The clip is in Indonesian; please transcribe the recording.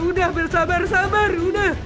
udah bersabar sabar udah